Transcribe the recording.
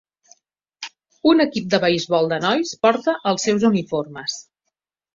Un equip de beisbol de nois porta els seus uniformes.